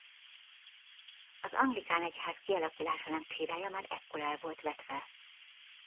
Az anglikán egyház kialakulásának csírája már ekkor el volt vetve.